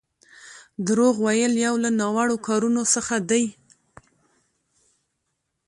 دروغ ويل يو له ناوړو کارونو څخه دی.